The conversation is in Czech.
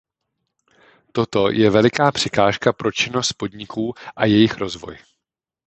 Toto je veliká překážka pro činnost podniků a jejich rozvoj.